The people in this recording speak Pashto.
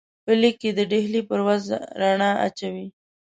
په لیک کې د ډهلي پر وضع رڼا اچوي.